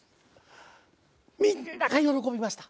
みんなが喜びました。